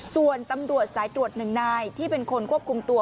ส่วนตำรวจสายตรวจหนึ่งนายที่เป็นคนควบคุมตัว